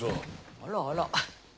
あらあら。